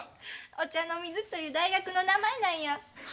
お茶の水という大学の名前なんや。